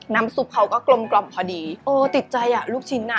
น้ำซุปเขาก็กลมกล่อมพอดีโอ้ติดใจอ่ะลูกชิ้นอ่ะ